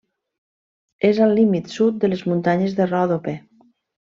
És al límit sud de les muntanyes del Ròdope.